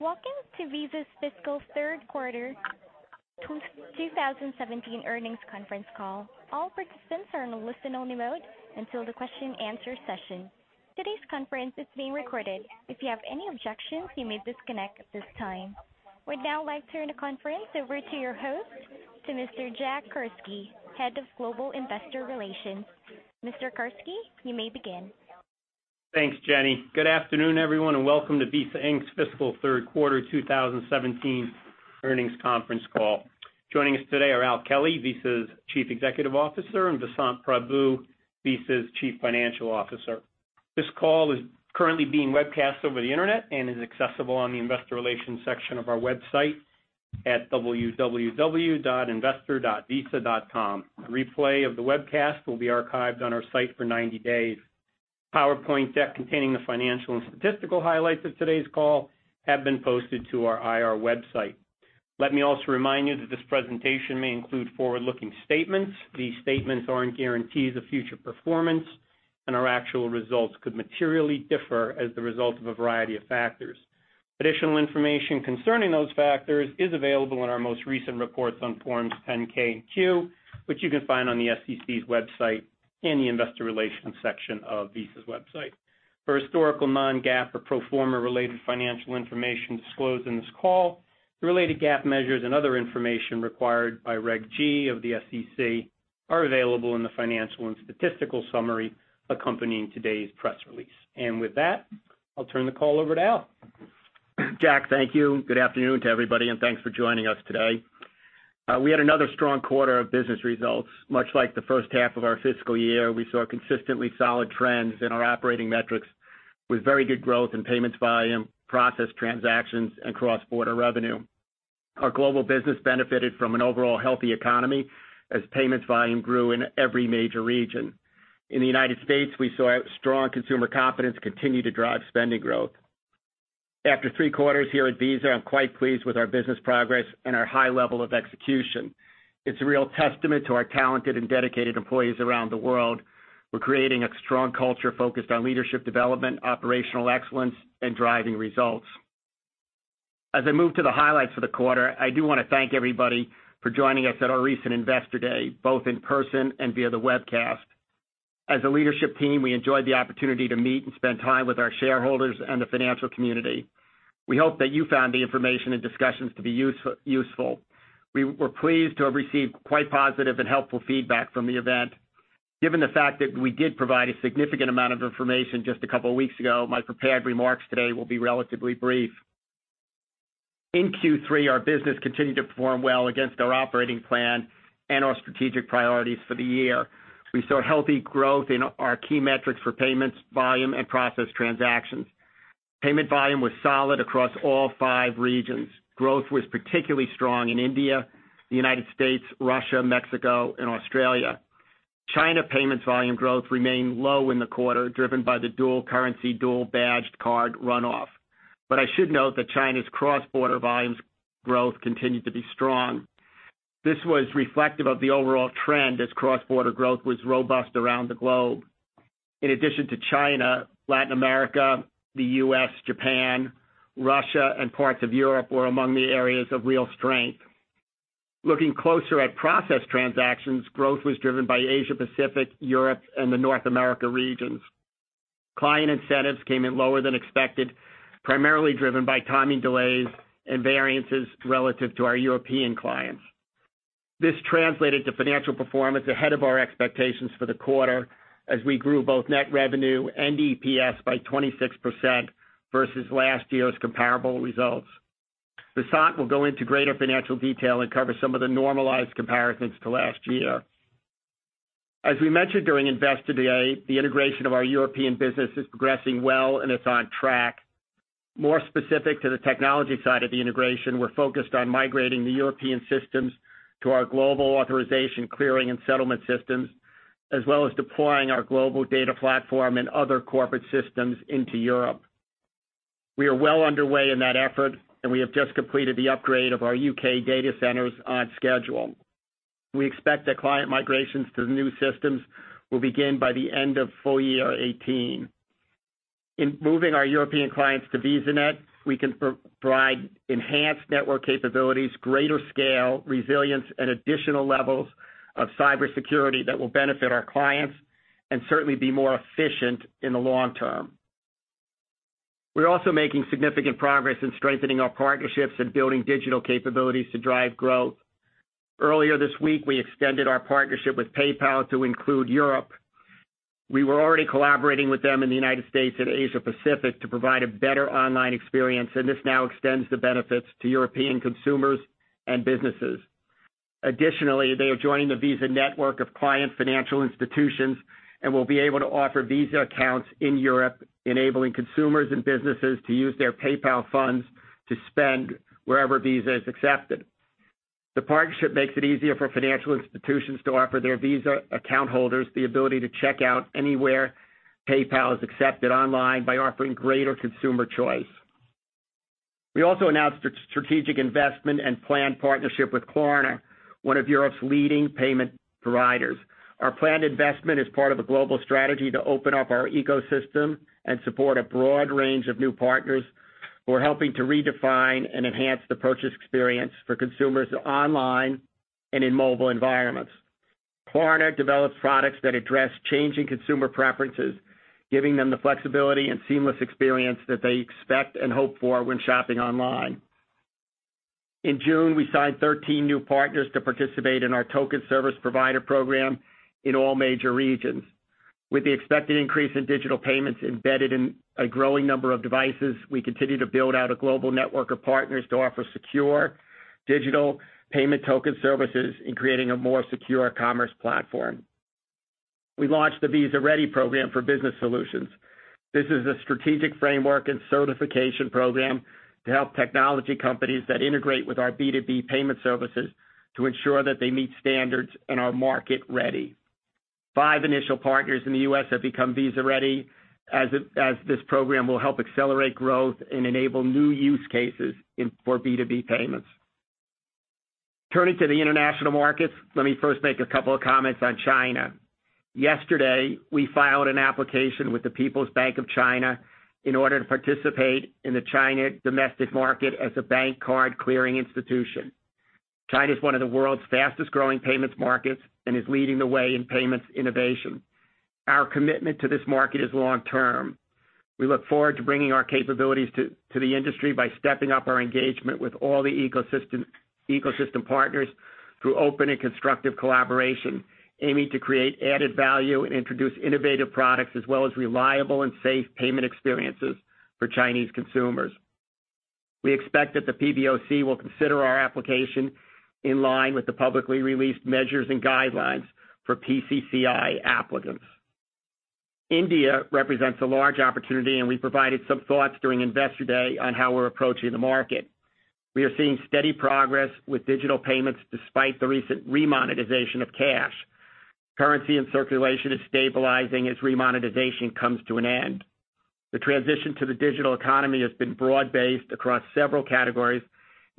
Welcome to Visa's fiscal third quarter 2017 earnings conference call. All participants are in a listen-only mode until the question answer session. Today's conference is being recorded. If you have any objections, you may disconnect at this time. We'd now like to turn the conference over to your host, to Mr. Jack Carsky, Head of Global Investor Relations. Mr. Carsky, you may begin. Thanks, Jenny. Good afternoon, everyone, welcome to Visa Inc.'s fiscal third quarter 2017 earnings conference call. Joining us today are Al Kelly, Visa's Chief Executive Officer, and Vasant Prabhu, Visa's Chief Financial Officer. This call is currently being webcast over the internet and is accessible on the investor relations section of our website at www.investor.visa.com. A replay of the webcast will be archived on our site for 90 days. PowerPoint deck containing the financial and statistical highlights of today's call have been posted to our IR website. Let me also remind you that this presentation may include forward-looking statements. These statements aren't guarantees of future performance, our actual results could materially differ as the result of a variety of factors. Additional information concerning those factors is available in our most recent reports on forms 10-K and Q, which you can find on the SEC's website in the investor relations section of Visa's website. For historical non-GAAP or pro forma related financial information disclosed in this call, the related GAAP measures and other information required by Regulation G of the SEC are available in the financial and statistical summary accompanying today's press release. With that, I'll turn the call over to Al. Jack, thank you. Good afternoon to everybody, thanks for joining us today. We had another strong quarter of business results. Much like the first half of our fiscal year, we saw consistently solid trends in our operating metrics with very good growth in payments volume, process transactions, and cross-border revenue. Our global business benefited from an overall healthy economy as payments volume grew in every major region. In the United States, we saw strong consumer confidence continue to drive spending growth. After three quarters here at Visa, I'm quite pleased with our business progress and our high level of execution. It's a real testament to our talented and dedicated employees around the world. We're creating a strong culture focused on leadership development, operational excellence, and driving results. As I move to the highlights for the quarter, I do want to thank everybody for joining us at our recent Investor Day, both in person and via the webcast. As a leadership team, we enjoyed the opportunity to meet and spend time with our shareholders and the financial community. We hope that you found the information and discussions to be useful. We were pleased to have received quite positive and helpful feedback from the event. Given the fact that we did provide a significant amount of information just a couple of weeks ago, my prepared remarks today will be relatively brief. In Q3, our business continued to perform well against our operating plan and our strategic priorities for the year. We saw healthy growth in our key metrics for payments, volume, and process transactions. Payment volume was solid across all five regions. Growth was particularly strong in India, the United States, Russia, Mexico, and Australia. China payments volume growth remained low in the quarter, driven by the dual currency, dual badged card runoff. I should note that China's cross-border volumes growth continued to be strong. This was reflective of the overall trend as cross-border growth was robust around the globe. In addition to China, Latin America, the U.S., Japan, Russia, and parts of Europe were among the areas of real strength. Looking closer at processed transactions, growth was driven by Asia-Pacific, Europe, and the North America regions. Client incentives came in lower than expected, primarily driven by timing delays and variances relative to our European clients. This translated to financial performance ahead of our expectations for the quarter as we grew both net revenue and EPS by 26% versus last year's comparable results. Vasant will go into greater financial detail and cover some of the normalized comparisons to last year. As we mentioned during Investor Day, the integration of our European business is progressing well, and it's on track. More specific to the technology side of the integration, we're focused on migrating the European systems to our global authorization clearing and settlement systems, as well as deploying our global data platform and other corporate systems into Europe. We are well underway in that effort, and we have just completed the upgrade of our U.K. data centers on schedule. We expect that client migrations to the new systems will begin by the end of full year 2018. In moving our European clients to VisaNet, we can provide enhanced network capabilities, greater scale, resilience, and additional levels of cybersecurity that will benefit our clients and certainly be more efficient in the long term. We're also making significant progress in strengthening our partnerships and building digital capabilities to drive growth. Earlier this week, we extended our partnership with PayPal to include Europe. We were already collaborating with them in the United States and Asia-Pacific to provide a better online experience, and this now extends the benefits to European consumers and businesses. Additionally, they are joining the Visa network of client financial institutions and will be able to offer Visa accounts in Europe, enabling consumers and businesses to use their PayPal funds to spend wherever Visa is accepted. The partnership makes it easier for financial institutions to offer their Visa account holders the ability to check out anywhere PayPal is accepted online by offering greater consumer choice. We also announced a strategic investment and planned partnership with Klarna, one of Europe's leading payment providers. Our planned investment is part of a global strategy to open up our ecosystem and support a broad range of new partners who are helping to redefine and enhance the purchase experience for consumers online and in mobile environments. Klarna develops products that address changing consumer preferences, giving them the flexibility and seamless experience that they expect and hope for when shopping online. In June, we signed 13 new partners to participate in our token service provider program in all major regions. With the expected increase in digital payments embedded in a growing number of devices, we continue to build out a global network of partners to offer secure digital payment token services in creating a more secure commerce platform. We launched the Visa Ready program for business solutions. This is a strategic framework and certification program to help technology companies that integrate with our B2B payment services to ensure that they meet standards and are market-ready. Five initial partners in the U.S. have become Visa Ready, as this program will help accelerate growth and enable new use cases for B2B payments. Turning to the international markets, let me first make a couple of comments on China. Yesterday, we filed an application with the People's Bank of China in order to participate in the China domestic market as a bank card clearing institution. China is one of the world's fastest-growing payments markets and is leading the way in payments innovation. Our commitment to this market is long-term. We look forward to bringing our capabilities to the industry by stepping up our engagement with all the ecosystem partners through open and constructive collaboration, aiming to create added value and introduce innovative products as well as reliable and safe payment experiences for Chinese consumers. We expect that the PBOC will consider our application in line with the publicly released measures and guidelines for PCI applicants. India represents a large opportunity, and we provided some thoughts during Investor Day on how we're approaching the market. We are seeing steady progress with digital payments despite the recent remonetization of cash. Currency and circulation is stabilizing as remonetization comes to an end. The transition to the digital economy has been broad-based across several categories,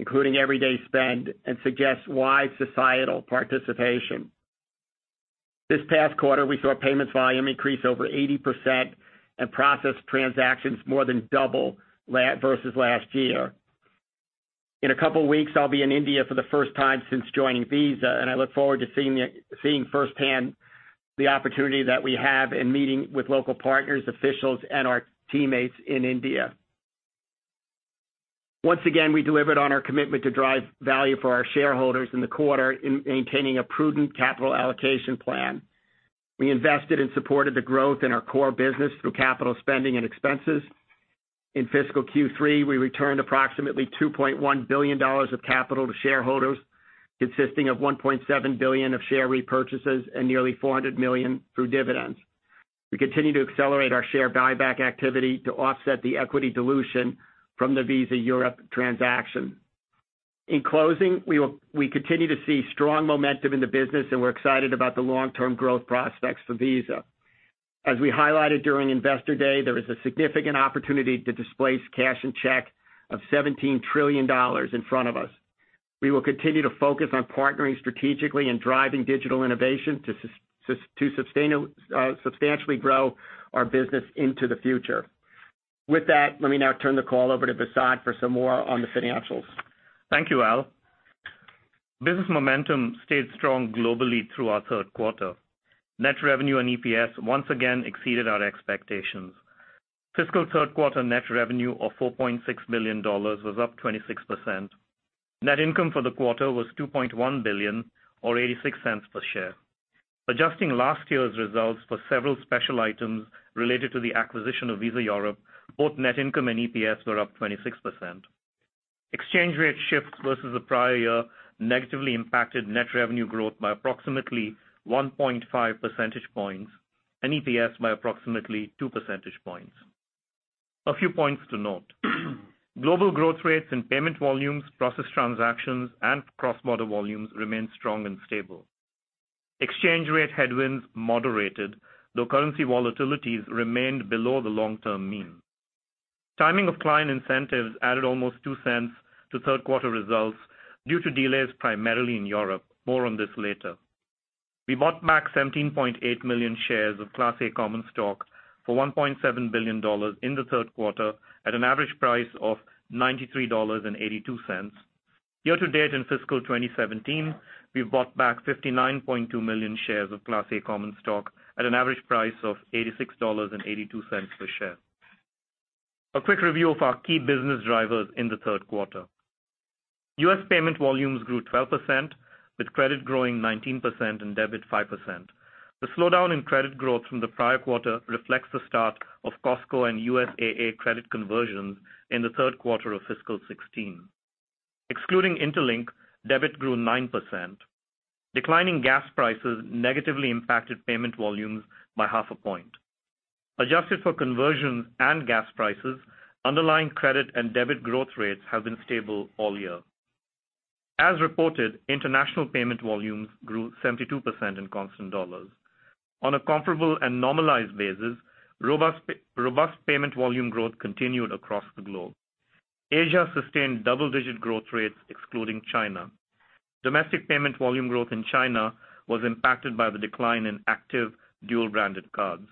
including everyday spend, and suggests wide societal participation. This past quarter, we saw payments volume increase over 80% and process transactions more than double versus last year. In a couple of weeks, I'll be in India for the first time since joining Visa, and I look forward to seeing firsthand the opportunity that we have in meeting with local partners, officials, and our teammates in India. Once again, we delivered on our commitment to drive value for our shareholders in the quarter in maintaining a prudent capital allocation plan. We invested and supported the growth in our core business through capital spending and expenses. In fiscal Q3, we returned approximately $2.1 billion of capital to shareholders, consisting of $1.7 billion of share repurchases and nearly $400 million through dividends. We continue to accelerate our share buyback activity to offset the equity dilution from the Visa Europe transaction. In closing, we continue to see strong momentum in the business, and we're excited about the long-term growth prospects for Visa. As we highlighted during Investor Day, there is a significant opportunity to displace cash and check of $17 trillion in front of us. We will continue to focus on partnering strategically and driving digital innovation to substantially grow our business into the future. With that, let me now turn the call over to Vasant for some more on the financials. Thank you, Al. Business momentum stayed strong globally through our third quarter. Net revenue and EPS once again exceeded our expectations. Fiscal third-quarter net revenue of $4.6 billion was up 26%. Net income for the quarter was $2.1 billion or $0.86 per share. Adjusting last year's results for several special items related to the acquisition of Visa Europe, both net income and EPS were up 26%. Exchange rate shifts versus the prior year negatively impacted net revenue growth by approximately 1.5 percentage points and EPS by approximately 2 percentage points. A few points to note. Global growth rates and payment volumes, process transactions, and cross-border volumes remain strong and stable. Exchange rate headwinds moderated, though currency volatilities remained below the long-term mean. Timing of client incentives added almost $0.02 to third-quarter results due to delays primarily in Europe. More on this later. We bought back 17.8 million shares of Class A common stock for $1.7 billion in the third quarter at an average price of $93.82. Year to date in fiscal 2017, we've bought back 59.2 million shares of Class A common stock at an average price of $86.82 per share. A quick review of our key business drivers in the third quarter. U.S. payment volumes grew 12%, with credit growing 19% and debit 5%. The slowdown in credit growth from the prior quarter reflects the start of Costco and USAA credit conversions in the third quarter of fiscal 2016. Excluding Interlink, debit grew 9%. Declining gas prices negatively impacted payment volumes by half a point. Adjusted for conversions and gas prices, underlying credit and debit growth rates have been stable all year. As reported, international payment volumes grew 72% in constant dollars. On a comparable and normalized basis, robust payment volume growth continued across the globe. Asia sustained double-digit growth rates excluding China. Domestic payment volume growth in China was impacted by the decline in active dual-branded cards.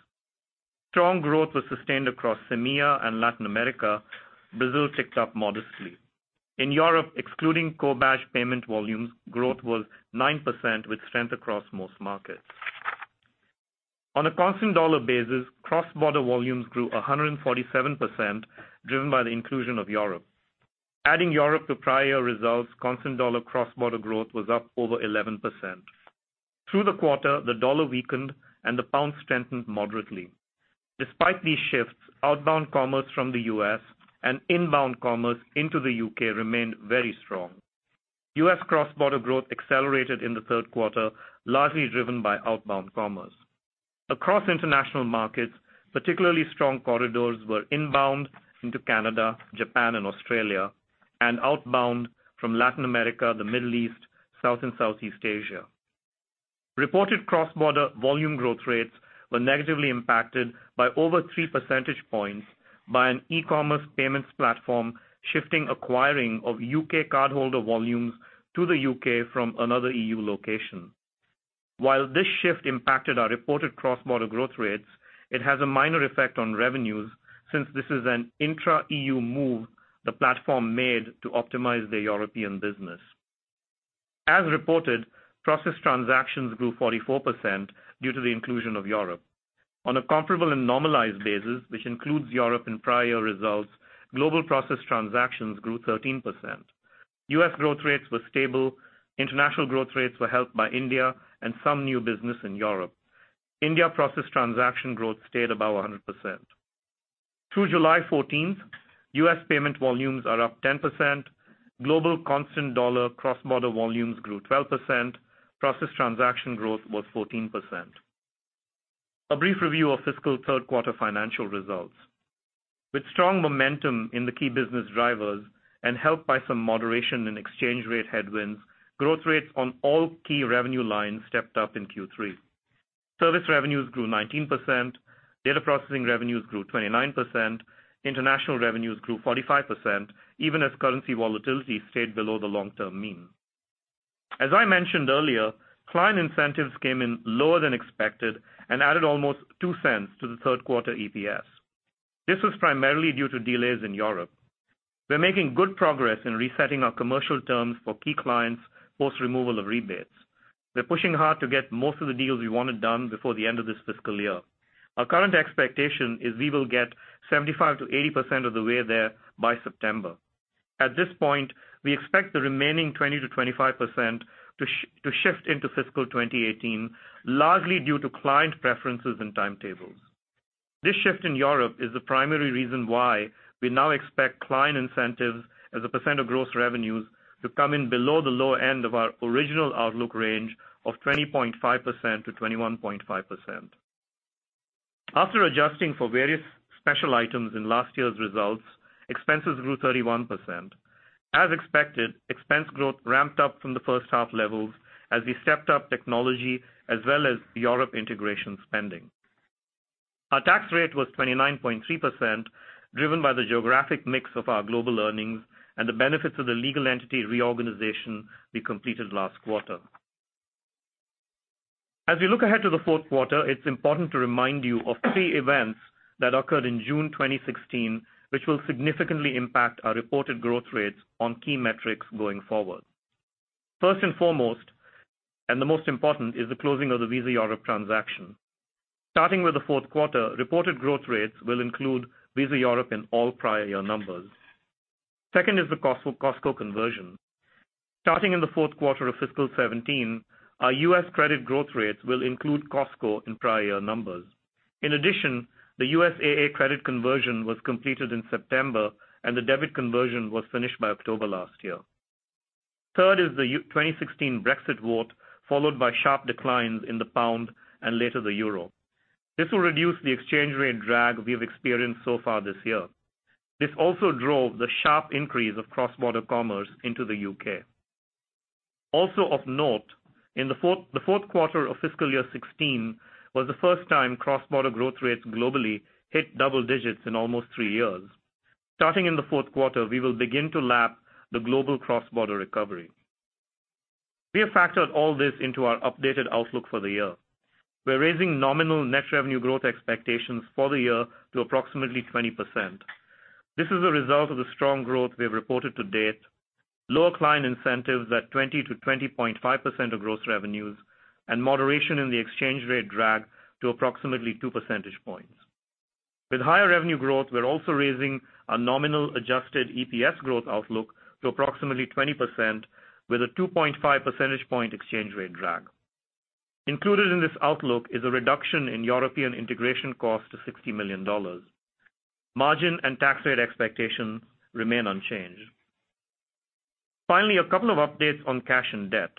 Strong growth was sustained across EMEA and Latin America. Brazil ticked up modestly. In Europe, excluding co-badge payment volumes, growth was 9% with strength across most markets. On a constant dollar basis, cross-border volumes grew 147%, driven by the inclusion of Europe. Adding Europe to prior results, constant dollar cross-border growth was up over 11%. Through the quarter, the dollar weakened, and the pound strengthened moderately. Despite these shifts, outbound commerce from the U.S. and inbound commerce into the U.K. remained very strong. U.S. cross-border growth accelerated in the third quarter, largely driven by outbound commerce. Across international markets, particularly strong corridors were inbound into Canada, Japan, and Australia, and outbound from Latin America, the Middle East, South and Southeast Asia. Reported cross-border volume growth rates were negatively impacted by over three percentage points by an e-commerce payments platform shifting acquiring of U.K. cardholder volumes to the U.K. from another EU location. While this shift impacted our reported cross-border growth rates, it has a minor effect on revenues since this is an intra-EU move the platform made to optimize their European business. As reported, process transactions grew 44% due to the inclusion of Europe. On a comparable and normalized basis, which includes Europe in prior results, global process transactions grew 13%. U.S. growth rates were stable. International growth rates were helped by India and some new business in Europe. India process transaction growth stayed above 100%. Through July 14th, U.S. payment volumes are up 10%. Global constant dollar cross-border volumes grew 12%. Process transaction growth was 14%. A brief review of fiscal third-quarter financial results. With strong momentum in the key business drivers and helped by some moderation in exchange rate headwinds, growth rates on all key revenue lines stepped up in Q3. Service revenues grew 19%. Data processing revenues grew 29%. International revenues grew 45%, even as currency volatility stayed below the long-term mean. As I mentioned earlier, client incentives came in lower than expected and added almost $0.02 to the third quarter EPS. This was primarily due to delays in Europe. We're making good progress in resetting our commercial terms for key clients, post removal of rebates. We're pushing hard to get most of the deals we wanted done before the end of this fiscal year. Our current expectation is we will get 75%-80% of the way there by September. At this point, we expect the remaining 20%-25% to shift into fiscal 2018, largely due to client preferences and timetables. This shift in Europe is the primary reason why we now expect client incentives as a percent of gross revenues to come in below the low end of our original outlook range of 20.5%-21.5%. After adjusting for various special items in last year's results, expenses grew 31%. As expected, expense growth ramped up from the first half levels as we stepped up technology as well as Europe integration spending. Our tax rate was 29.3%, driven by the geographic mix of our global earnings and the benefits of the legal entity reorganization we completed last quarter. As we look ahead to the fourth quarter, it's important to remind you of three events that occurred in June 2016, which will significantly impact our reported growth rates on key metrics going forward. First and foremost, and the most important, is the closing of the Visa Europe transaction. Starting with the fourth quarter, reported growth rates will include Visa Europe in all prior year numbers. Second is the Costco conversion. Starting in the fourth quarter of fiscal 2017, our U.S. credit growth rates will include Costco in prior year numbers. In addition, the USAA credit conversion was completed in September, and the debit conversion was finished by October last year. Third is the 2016 Brexit vote, followed by sharp declines in the pound and later the euro. This will reduce the exchange rate drag we've experienced so far this year. This also drove the sharp increase of cross-border commerce into the U.K. Also of note, the fourth quarter of fiscal year 2016 was the first time cross-border growth rates globally hit double digits in almost three years. Starting in the fourth quarter, we will begin to lap the global cross-border recovery. We have factored all this into our updated outlook for the year. We're raising nominal net revenue growth expectations for the year to approximately 20%. This is a result of the strong growth we have reported to date, lower client incentives at 20%-20.5% of gross revenues, and moderation in the exchange rate drag to approximately two percentage points. With higher revenue growth, we're also raising our nominal adjusted EPS growth outlook to approximately 20% with a 2.5 percentage point exchange rate drag. Included in this outlook is a reduction in European integration cost to $60 million. Margin and tax rate expectations remain unchanged. Finally, a couple of updates on cash and debt.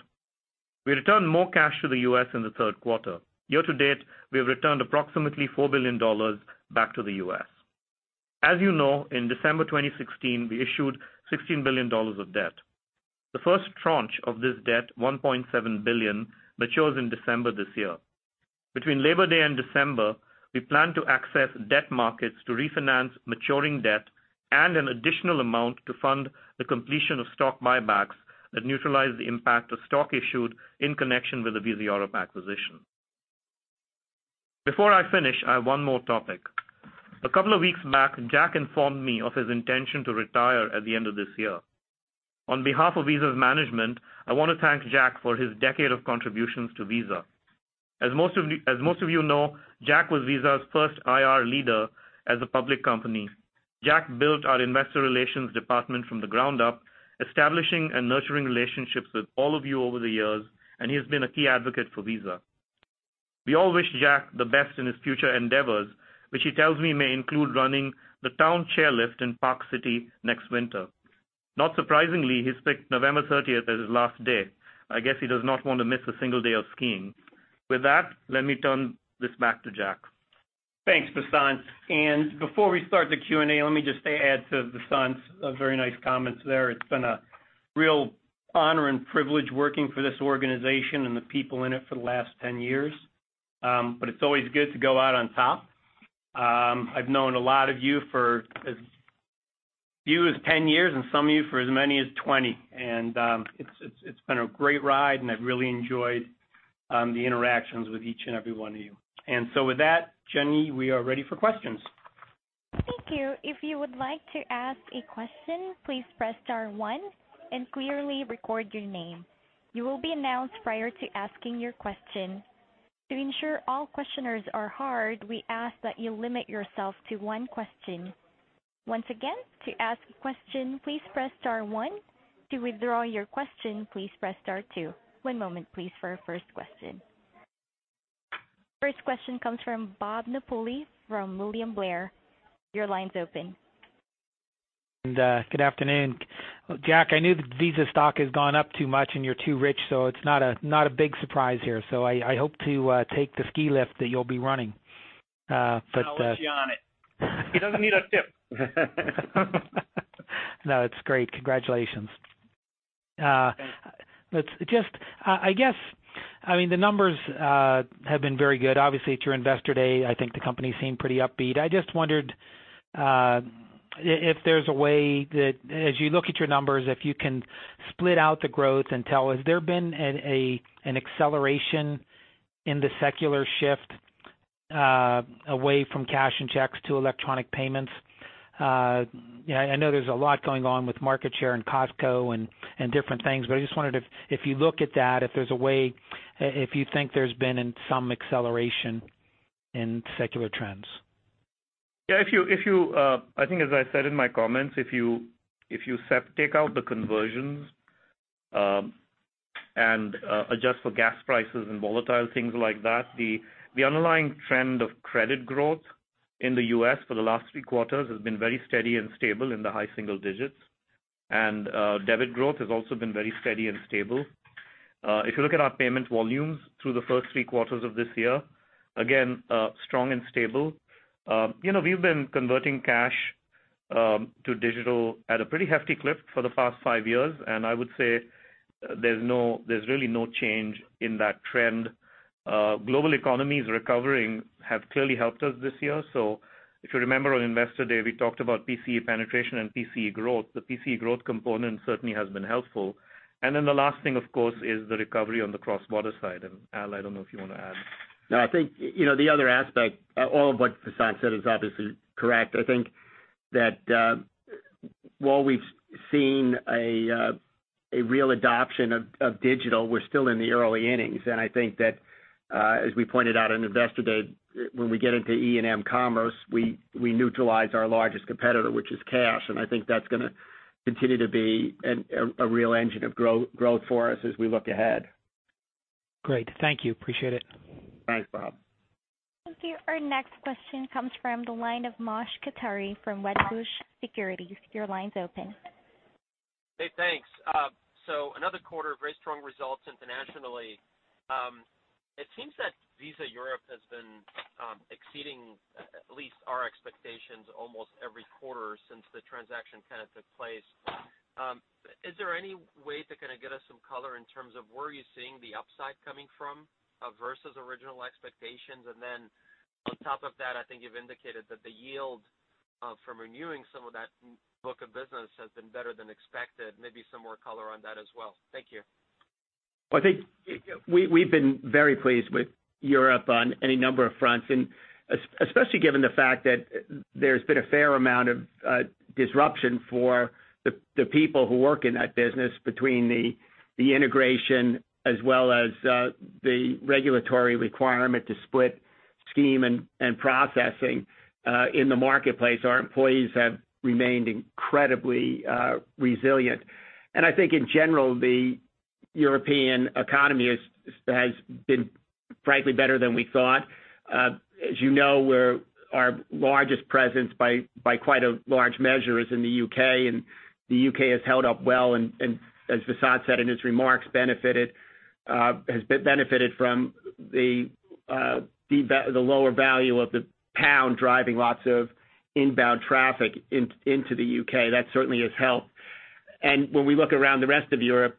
We returned more cash to the U.S. in the third quarter. Year to date, we have returned approximately $4 billion back to the U.S. As you know, in December 2016, we issued $16 billion of debt. The first tranche of this debt, $1.7 billion, matures in December this year. Between Labor Day and December, we plan to access debt markets to refinance maturing debt and an additional amount to fund the completion of stock buybacks that neutralize the impact of stock issued in connection with the Visa Europe acquisition. Before I finish, I have one more topic. A couple of weeks back, Jack informed me of his intention to retire at the end of this year. On behalf of Visa's management, I want to thank Jack for his decade of contributions to Visa. As most of you know, Jack was Visa's first IR leader as a public company. Jack built our investor relations department from the ground up, establishing and nurturing relationships with all of you over the years, and he has been a key advocate for Visa. We all wish Jack the best in his future endeavors, which he tells me may include running the town chairlift in Park City next winter. Not surprisingly, he's picked November 30th as his last day. I guess he does not want to miss a single day of skiing. With that, let me turn this back to Jack. Thanks, Vasant. Before we start the Q&A, let me just add to Vasant's very nice comments there. It's been a real honor and privilege working for this organization and the people in it for the last 10 years. It's always good to go out on top. I've known a lot of you for as few as 10 years and some of you for as many as 20. It's been a great ride, and I've really enjoyed the interactions with each and every one of you. With that, Jenny, we are ready for questions. Thank you. If you would like to ask a question, please press star one and clearly record your name. You will be announced prior to asking your question. To ensure all questioners are heard, we ask that you limit yourself to one question. Once again, to ask a question, please press star one. To withdraw your question, please press star two. One moment, please, for our first question. First question comes from Bob Napoli from William Blair. Your line's open. Good afternoon. Jack, I know that Visa stock has gone up too much and you're too rich, it's not a big surprise here. I hope to take the ski lift that you'll be running. I'll let you on it. He doesn't need a tip. No, it's great. Congratulations. Thanks. I guess the numbers have been very good. Obviously, it's your Investor Day. I think the company seemed pretty upbeat. I just wondered if there's a way that as you look at your numbers, if you can split out the growth and tell has there been an acceleration in the secular shift away from cash and checks to electronic payments? I know there's a lot going on with market share and Costco and different things, but I just wondered if you look at that, if you think there's been some acceleration in secular trends. Yeah. I think, as I said in my comments, if you take out the conversions and adjust for gas prices and volatile things like that, the underlying trend of credit growth in the U.S. for the last three quarters has been very steady and stable in the high single digits. debit growth has also been very steady and stable. If you look at our payment volumes through the first three quarters of this year, again, strong and stable. We've been converting cash to digital at a pretty hefty clip for the past five years, I would say there's really no change in that trend. Global economies recovering have clearly helped us this year. If you remember on Investor Day, we talked about PCE penetration and PCE growth. The PCE growth component certainly has been helpful. The last thing, of course, is the recovery on the cross-border side. Al, I don't know if you want to add. I think the other aspect, all of what Vasant said is obviously correct. I think that while we've seen a real adoption of digital, we're still in the early innings. I think that, as we pointed out on Investor Day, when we get into E&M commerce, we neutralize our largest competitor, which is cash, and I think that's going to continue to be a real engine of growth for us as we look ahead. Great. Thank you. Appreciate it. Thanks, Bob. Thank you. Our next question comes from the line of Moshe Katri from Wedbush Securities. Your line's open. Thanks. Another quarter of very strong results internationally. It seems that Visa Europe has been exceeding at least our expectations almost every quarter since the transaction took place. Is there any way to get us some color in terms of where are you seeing the upside coming from versus original expectations? On top of that, I think you've indicated that the yield from renewing some of that book of business has been better than expected. Maybe some more color on that as well. Thank you. I think we've been very pleased with Europe on any number of fronts, especially given the fact that there's been a fair amount of disruption for the people who work in that business between the integration as well as the regulatory requirement to split scheme and processing in the marketplace. Our employees have remained incredibly resilient. I think in general, the European economy has been frankly better than we thought. As you know, our largest presence by quite a large measure is in the U.K., and the U.K. has held up well and, as Vasant said in his remarks, has benefited from the The lower value of the pound driving lots of inbound traffic into the U.K., that certainly has helped. When we look around the rest of Europe,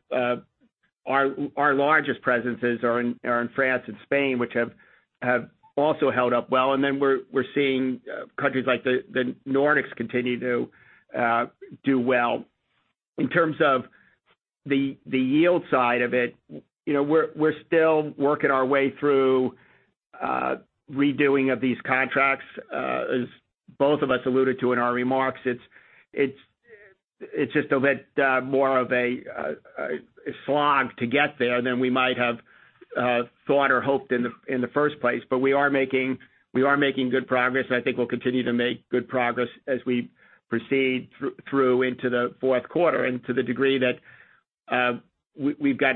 our largest presences are in France and Spain, which have also held up well. We're seeing countries like the Nordics continue to do well. In terms of the yield side of it, we're still working our way through redoing of these contracts. As both of us alluded to in our remarks, it's just a bit more of a slog to get there than we might have thought or hoped in the first place. We are making good progress, I think we'll continue to make good progress as we proceed through into the fourth quarter. To the degree that we've got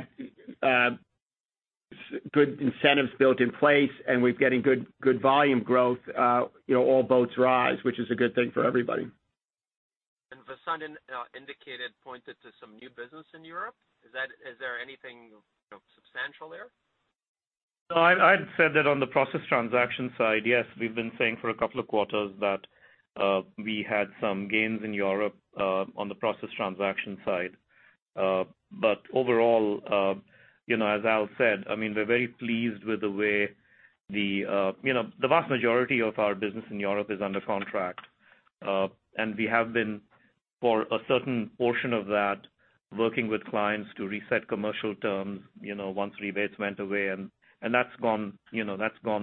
good incentives built in place, we're getting good volume growth, all boats rise, which is a good thing for everybody. Vasant indicated, pointed to some new business in Europe. Is there anything substantial there? No, I had said that on the process transaction side, yes. We've been saying for a couple of quarters that we had some gains in Europe on the process transaction side. Overall, as Al said, we're very pleased with the way the vast majority of our business in Europe is under contract. We have been, for a certain portion of that, working with clients to reset commercial terms, once rebates went away and that's gone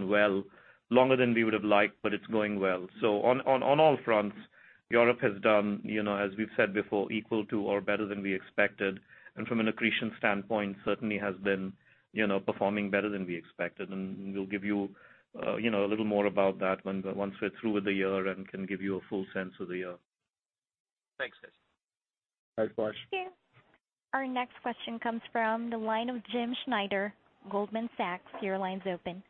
well, longer than we would've liked, but it's going well. On all fronts, Europe has done, as we've said before, equal to or better than we expected. From an accretion standpoint, certainly has been performing better than we expected. We'll give you a little more about that once we're through with the year and can give you a full sense of the year. Thanks, Vasant. Thanks, Moshe. Thank you. Our next question comes from the line of James Schneider, Goldman Sachs. Your line's open.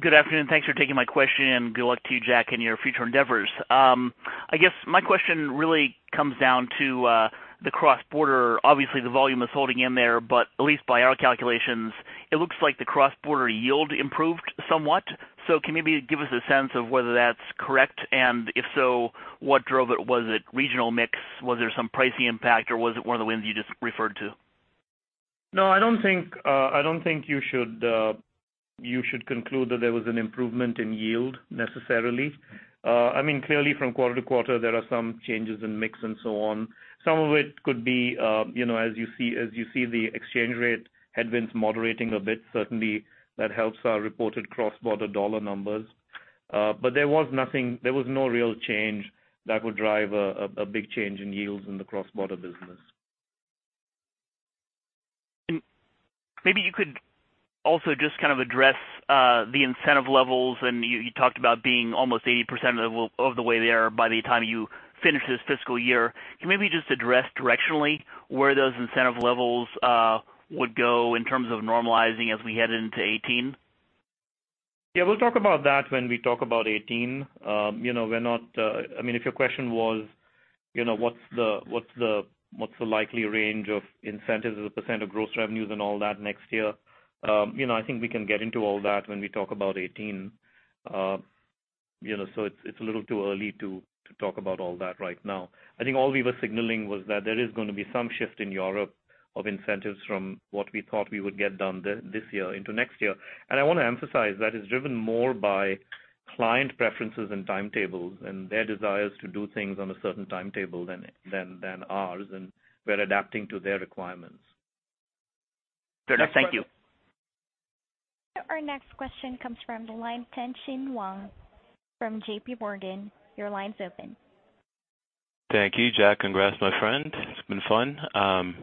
Good afternoon. Thanks for taking my question, and good luck to you, Jack, in your future endeavors. I guess my question really comes down to the cross-border. Obviously, the volume is holding in there, but at least by our calculations, it looks like the cross-border yield improved somewhat. Can you maybe give us a sense of whether that's correct? If so, what drove it? Was it regional mix? Was there some pricing impact, or was it one of the wins you just referred to? I don't think you should conclude that there was an improvement in yield necessarily. From quarter to quarter, there are some changes in mix and so on. Some of it could be, as you see the exchange rate headwinds moderating a bit, certainly that helps our reported cross-border dollar numbers. There was no real change that would drive a big change in yields in the cross-border business. Maybe you could also just kind of address the incentive levels, and you talked about being almost 80% of the way there by the time you finish this fiscal year. Can you maybe just address directionally where those incentive levels would go in terms of normalizing as we head into 2018? Yeah, we'll talk about that when we talk about 2018. If your question was, what's the likely range of incentives as a % of gross revenues and all that next year? I think we can get into all that when we talk about 2018. It's a little too early to talk about all that right now. I think all we were signaling was that there is going to be some shift in Europe of incentives from what we thought we would get done this year into next year. I want to emphasize that is driven more by client preferences and timetables, and their desires to do things on a certain timetable than ours, and we're adapting to their requirements. Fair enough. Thank you. Our next question comes from the line Tien-Tsin Huang from J.P. Morgan. Your line's open. Thank you, Jack. Congrats, my friend. It's been fun. Thanks,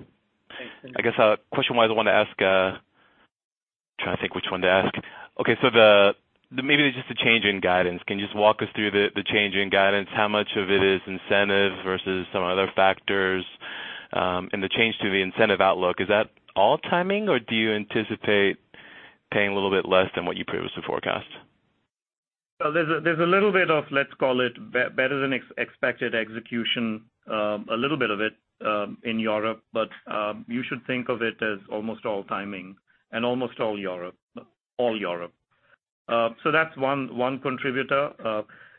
Tien-Tsin. I guess, question-wise, I want to ask. Trying to think which one to ask. Okay, maybe just the change in guidance. Can you just walk us through the change in guidance? How much of it is incentive versus some other factors? The change to the incentive outlook, is that all timing, or do you anticipate paying a little bit less than what you previously forecast? There's a little bit of, let's call it, better than expected execution, a little bit of it, in Europe, but you should think of it as almost all timing and almost all Europe. That's one contributor.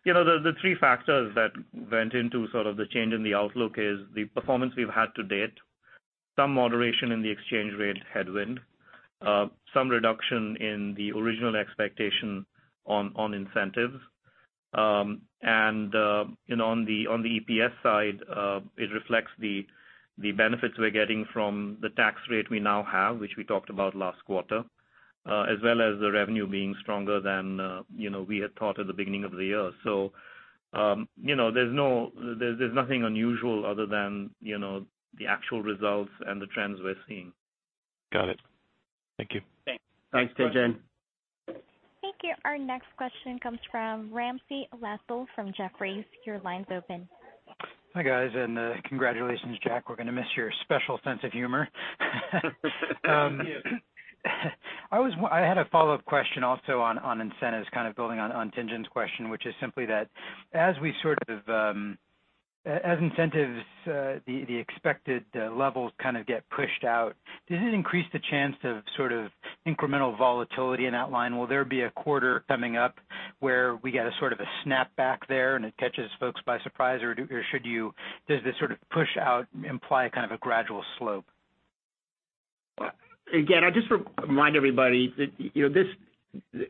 The three factors that went into sort of the change in the outlook is the performance we've had to date, some moderation in the exchange rate headwind, some reduction in the original expectation on incentives. On the EPS side, it reflects the benefits we're getting from the tax rate we now have, which we talked about last quarter, as well as the revenue being stronger than we had thought at the beginning of the year. There's nothing unusual other than the actual results and the trends we're seeing. Got it. Thank you. Thanks. Thanks, Tien-Tsin. Thank you. Our next question comes from Ramsey El-Assal from Jefferies. Your line's open. Hi, guys, and congratulations, Jack. We're gonna miss your special sense of humor. You too. I had a follow-up question also on incentives, kind of building on Tien-Tsin question, which is simply that as we As incentives, the expected levels kind of get pushed out. Does it increase the chance of incremental volatility in outline? Will there be a quarter coming up where we get a sort of snapback there and it catches folks by surprise, or does this sort of push out imply a kind of gradual slope? I just remind everybody that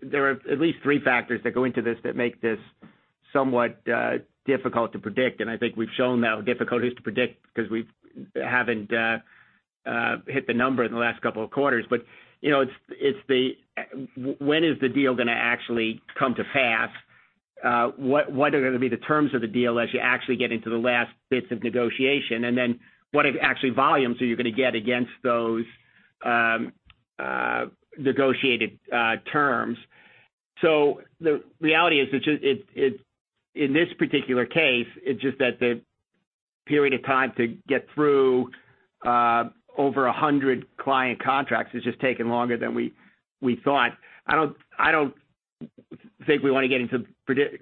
there are at least three factors that go into this that make this somewhat difficult to predict. I think we've shown that difficulty is to predict because we haven't hit the number in the last couple of quarters. When is the deal going to actually come to pass? What are going to be the terms of the deal as you actually get into the last bits of negotiation? Then what actually volumes are you going to get against those negotiated terms? The reality is, in this particular case, it's just that the period of time to get through over 100 client contracts has just taken longer than we thought. I don't think we want to get into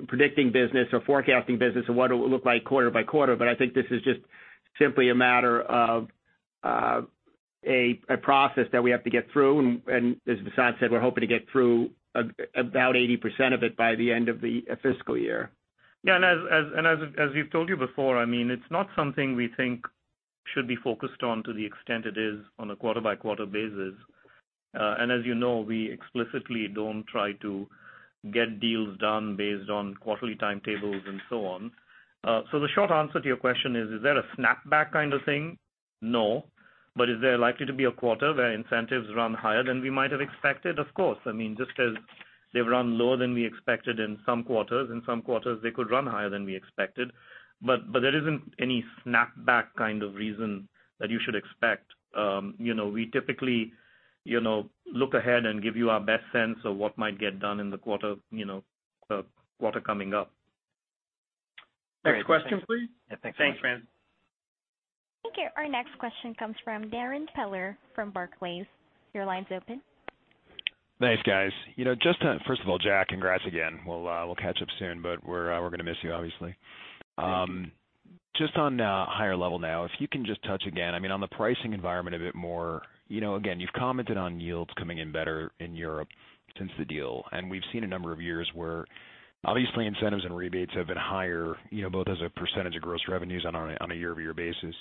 predicting business or forecasting business and what it will look like quarter by quarter. I think this is just simply a matter of a process that we have to get through. As Vasant said, we're hoping to get through about 80% of it by the end of the fiscal year. As we've told you before, it's not something we think should be focused on to the extent it is on a quarter-by-quarter basis. As you know, we explicitly don't try to get deals done based on quarterly timetables and so on. The short answer to your question is there a snapback kind of thing? No. Is there likely to be a quarter where incentives run higher than we might have expected? Of course. Just as they've run lower than we expected in some quarters, in some quarters, they could run higher than we expected. There isn't any snapback kind of reason that you should expect. We typically look ahead and give you our best sense of what might get done in the quarter coming up. Next question, please. Yeah, thanks. Thanks, man. Thank you. Our next question comes from Darrin Peller from Barclays. Your line's open. Thanks, guys. First of all, Jack, congrats again. We'll catch up soon, but we're going to miss you, obviously. Thank you. Just on a higher level now, if you can just touch again on the pricing environment a bit more. Again, you've commented on yields coming in better in Europe since the deal. We've seen a number of years where obviously incentives and rebates have been higher both as a percentage of gross revenues on a year-over-year basis.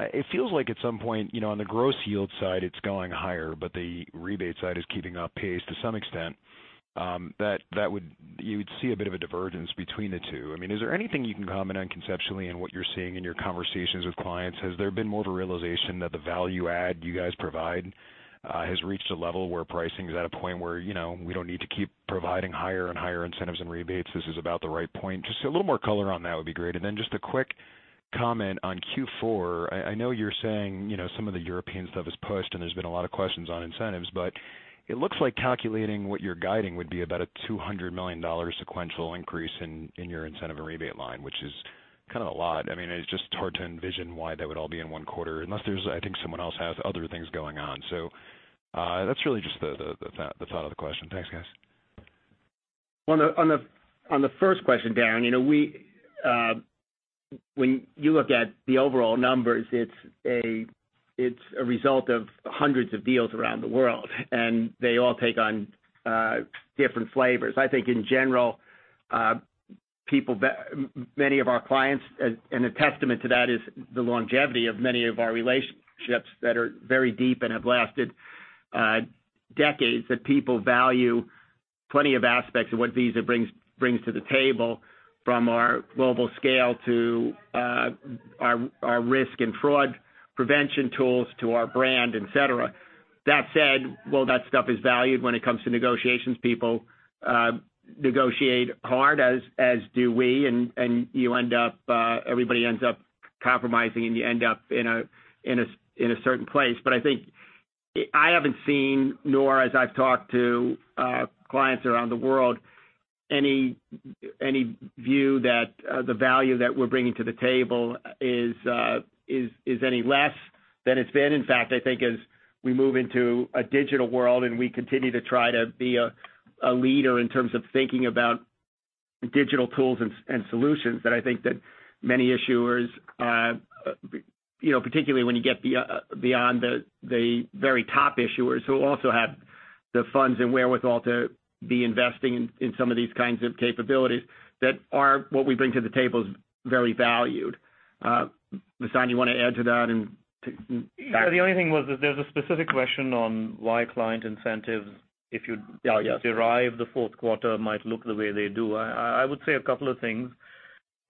It feels like at some point on the gross yield side, it's going higher, but the rebate side is keeping up pace to some extent, that you would see a bit of a divergence between the two. Is there anything you can comment on conceptually in what you're seeing in your conversations with clients? Has there been more of a realization that the value add you guys provide has reached a level where pricing is at a point where we don't need to keep providing higher and higher incentives and rebates, this is about the right point? Just a little more color on that would be great. Then just a quick comment on Q4. I know you're saying some of the European stuff is pushed, and there's been a lot of questions on incentives, but it looks like calculating what you're guiding would be about a $200 million sequential increase in your incentive and rebate line, which is kind of a lot. It's just hard to envision why that would all be in one quarter, I think someone else has other things going on. That's really just the thought of the question. Thanks, guys. On the first question, Darrin, when you look at the overall numbers, it's a result of hundreds of deals around the world, and they all take on different flavors. I think in general, many of our clients, and a testament to that is the longevity of many of our relationships that are very deep and have lasted decades, that people value plenty of aspects of what Visa brings to the table, from our global scale to our risk and fraud prevention tools to our brand, et cetera. That said, while that stuff is valued when it comes to negotiations, people negotiate hard, as do we, and everybody ends up compromising, and you end up in a certain place. I think I haven't seen, nor as I've talked to clients around the world, any view that the value that we're bringing to the table is any less than it's been. In fact, I think as we move into a digital world and we continue to try to be a leader in terms of thinking about digital tools and solutions, that I think that many issuers, particularly when you get beyond the very top issuers who also have the funds and wherewithal to be investing in some of these kinds of capabilities, that what we bring to the table is very valued. Vasant, you want to add to that. Yeah, the only thing was that there's a specific question on why client incentives. Yeah If you derive the fourth quarter might look the way they do. I would say a couple of things.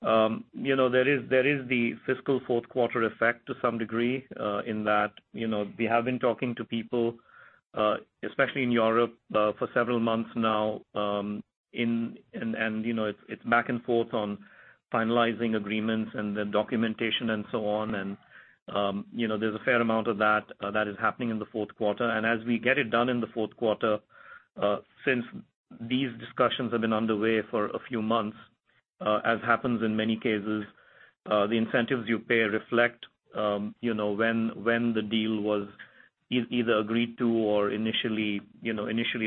There is the fiscal fourth quarter effect to some degree in that we have been talking to people, especially in Europe, for several months now. It's back and forth on finalizing agreements and the documentation and so on, and there's a fair amount of that that is happening in the fourth quarter. As we get it done in the fourth quarter, since these discussions have been underway for a few months, as happens in many cases, the incentives you pay reflect when the deal was either agreed to or initially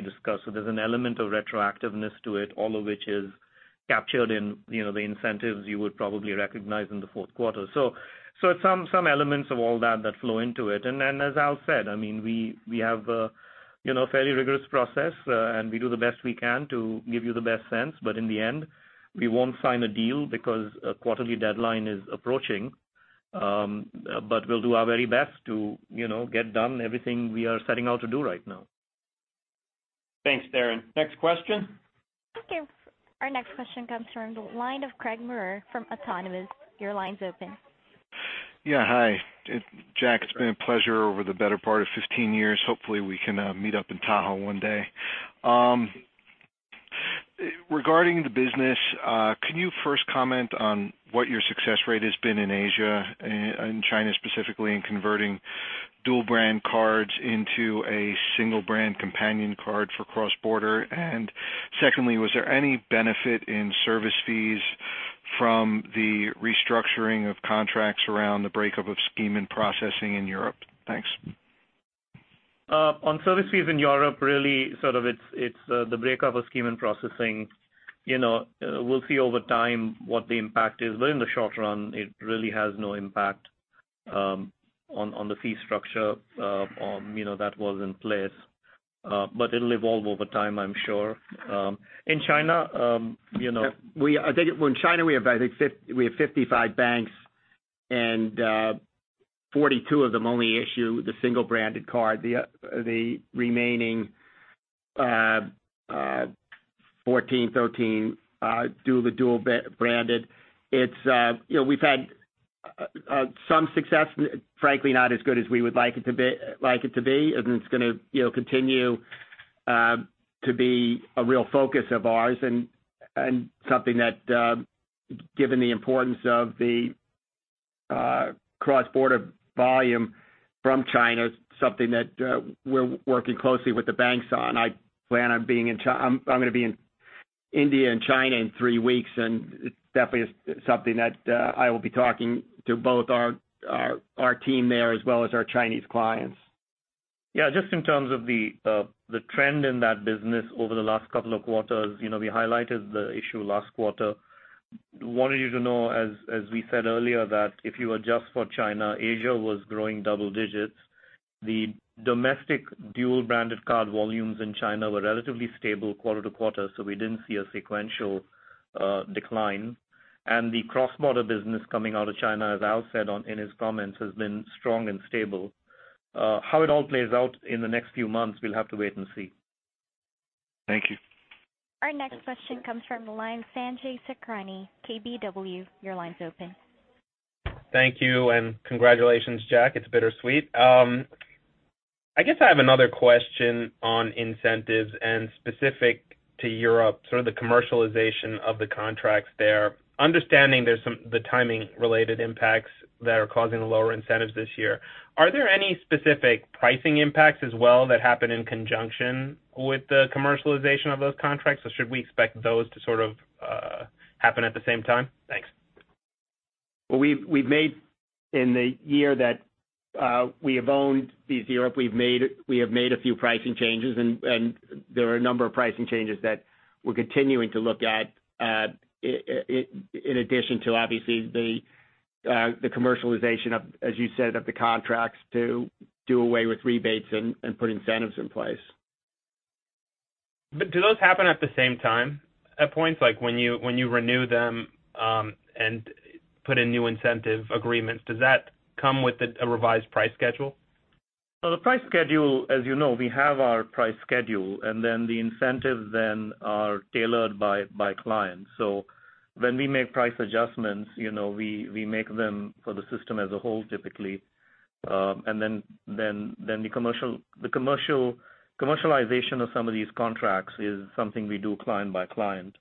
discussed. There's an element of retroactiveness to it, all of which is captured in the incentives you would probably recognize in the fourth quarter. Some elements of all that flow into it. As Al said, we have a fairly rigorous process, and we do the best we can to give you the best sense, in the end, we won't sign a deal because a quarterly deadline is approaching. We'll do our very best to get done everything we are setting out to do right now. Thanks, Darrin. Next question. Thank you. Our next question comes from the line of Craig Maurer from Autonomous. Your line's open. Hi. Jack, it's been a pleasure over the better part of 15 years. Hopefully, we can meet up in Tahoe one day. Regarding the business, can you first comment on what your success rate has been in Asia and China specifically in converting dual-brand cards into a single-brand companion card for cross-border? Secondly, was there any benefit in service fees from the restructuring of contracts around the breakup of scheme and processing in Europe? Thanks. On service fees in Europe, really, sort of it's the breakup of scheme and processing. We'll see over time what the impact is, but in the short run, it really has no impact on the fee structure that was in place. It'll evolve over time, I'm sure. In China- I think in China, we have 55 banks, and 42 of them only issue the single-branded card. The remaining 14, 13 do the dual-branded. We've had some success, frankly, not as good as we would like it to be. It's going to continue to be a real focus of ours and something that, given the importance of the cross-border volume from China, something that we're working closely with the banks on. I'm going to be in India and China in three weeks, and it definitely is something that I will be talking to both our team there as well as our Chinese clients. Yeah. Just in terms of the trend in that business over the last couple of quarters. We highlighted the issue last quarter. Wanted you to know, as we said earlier, that if you adjust for China, Asia was growing double digits. The domestic dual-branded card volumes in China were relatively stable quarter-to-quarter, so we didn't see a sequential decline. The cross-border business coming out of China, as Al said in his comments, has been strong and stable. How it all plays out in the next few months, we'll have to wait and see. Thank you. Our next question comes from the line of Sanjay Sakhrani, KBW. Your line's open. Thank you, and congratulations, Jack. It's bittersweet. I guess I have another question on incentives and specific to Europe, sort of the commercialization of the contracts there. Understanding the timing-related impacts that are causing the lower incentives this year, are there any specific pricing impacts as well that happen in conjunction with the commercialization of those contracts? Or should we expect those to sort of happen at the same time? Thanks. Well, in the year that we have owned Visa Europe, we have made a few pricing changes, and there are a number of pricing changes that we're continuing to look at in addition to obviously the commercialization, as you said, of the contracts to do away with rebates and put incentives in place. Do those happen at the same time? At points like when you renew them and put in new incentive agreements, does that come with a revised price schedule? The price schedule, as you know, we have our price schedule, the incentives then are tailored by clients. When we make price adjustments, we make them for the system as a whole, typically. The commercialization of some of these contracts is something we do client by client.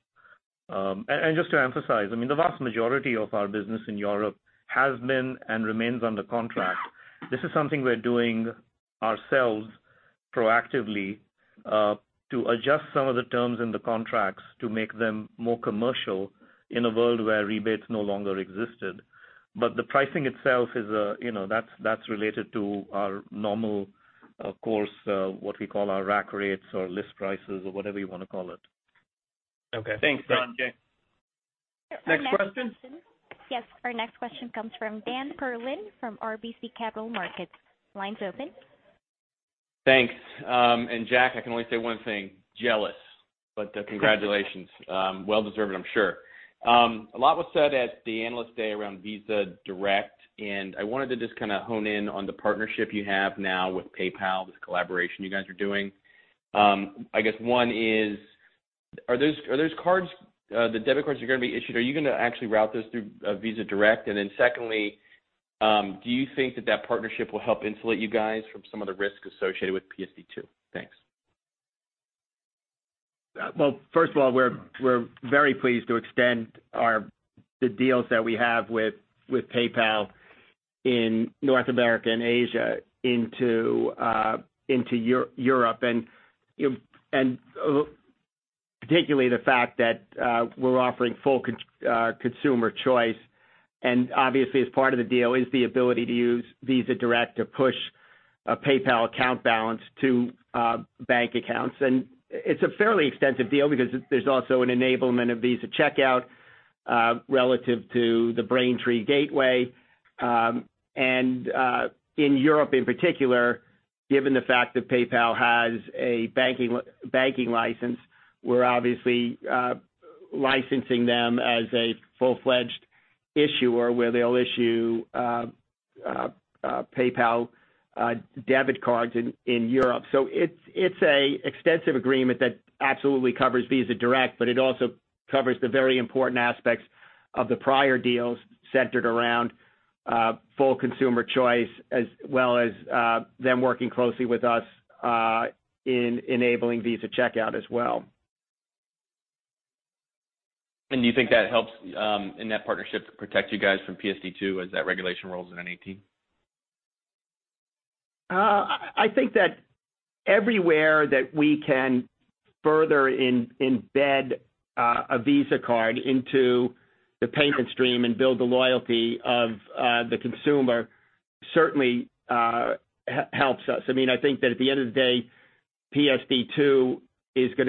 Just to emphasize, the vast majority of our business in Europe has been and remains under contract. This is something we're doing ourselves proactively to adjust some of the terms in the contracts to make them more commercial in a world where rebates no longer existed. The pricing itself, that's related to our normal course of what we call our rack rates or list prices or whatever you want to call it. Okay. Thanks, Sanjay. Next question. Our next question comes from Daniel Perlin from RBC Capital Markets. Line's open. Thanks. Jack, I can only say one thing, jealous. Congratulations. Well deserved, I'm sure. A lot was said at the Analyst Day around Visa Direct, I wanted to just kind of hone in on the partnership you have now with PayPal, this collaboration you guys are doing. I guess one is, are those debit cards you're going to be issuing, are you going to actually route those through Visa Direct? Secondly, do you think that that partnership will help insulate you guys from some of the risk associated with PSD2? Thanks. Well, first of all, we're very pleased to extend the deals that we have with PayPal in North America and Asia into Europe. Particularly the fact that we're offering full consumer choice. Obviously, as part of the deal is the ability to use Visa Direct to push a PayPal account balance to bank accounts. It's a fairly extensive deal because there's also an enablement of Visa Checkout relative to the Braintree gateway. In Europe in particular, given the fact that PayPal has a banking license, we're obviously licensing them as a full-fledged issuer where they'll issue PayPal debit cards in Europe. It's an extensive agreement that absolutely covers Visa Direct, but it also covers the very important aspects of the prior deals centered around full consumer choice, as well as them working closely with us in enabling Visa Checkout as well. Do you think that helps in that partnership to protect you guys from PSD2 as that regulation rolls in 2018? I think that everywhere that we can further embed a Visa card into the payment stream and build the loyalty of the consumer certainly helps us. I think that at the end of the day, PSD2 is going